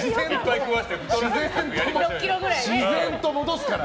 自然と戻すから！